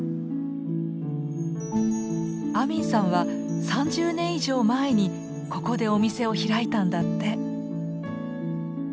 アミンさんは３０年以上前にここでお店を開いたんだって。